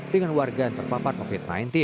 dengan warga yang terpapar covid sembilan belas